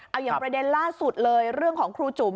เอาอย่างประเด็นล่าสุดเลยเรื่องของครูจุ๋ม